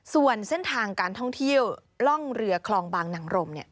ส่วนเส้นทางการท่องเที่ยวร่องเรือคลองบางนางรม